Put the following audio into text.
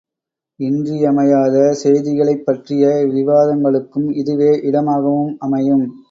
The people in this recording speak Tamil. இன்றியமையாத செய்திகளைப்பற்றிய விவாதங்களுக்கும் இதுவே இடமாகவும் அமையும்.